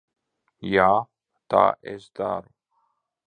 Jā, tā es daru.